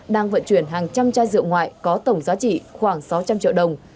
đang vận chuyển hàng trăm chai rượu ngoại có tổng giá trị khoảng sáu trăm linh triệu đồng